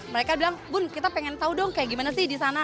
mereka bilang bun kita pengen tahu dong kayak gimana sih di sana